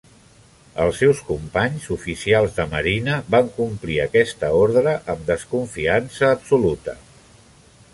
Els seus companys oficials de marina van complir aquesta ordre amb desconfiança absoluta.